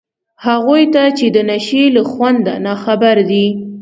هغو ته چي د نشې له خونده ناخبر دي